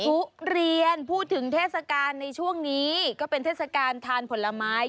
ทุเรียนพูดถึงเทศกาลในช่วงนี้ก็เป็นเทศกาลทานผลไม้